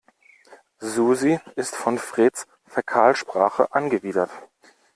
Susi ist von Freds Fäkalsprache angewidert.